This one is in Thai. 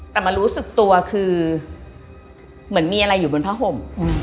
แต่มารู้สึกตัวคือเหมือนมีอะไรอยู่บนผ้าห่ม